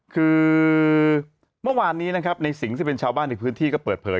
คือเมื่อวานนี้นะครับในสิงห์ซึ่งเป็นชาวบ้านในพื้นที่ก็เปิดเผย